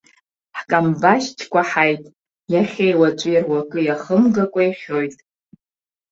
Ҳкамбашь чкәаҳаит, иахьеи уаҵәи руакы иахымгакәа ихьоит.